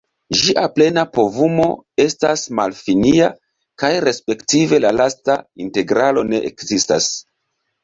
Ĝia plena povumo estas malfinia, kaj respektive la lasta integralo ne ekzistas.